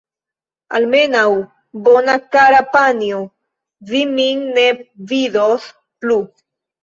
Adiaŭ, bona, kara panjo, vi min ne vidos plu!